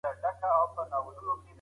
هر بشري عمل د ټولنې جوړښت کې مهم دی.